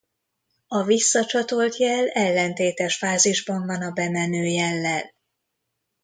A visszacsatolt jel ellentétes fázisban van a bemenő jellel.